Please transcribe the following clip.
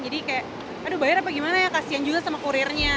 jadi kayak aduh bayar apa gimana ya kasian juga sama kurirnya